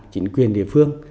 chính quyền địa phương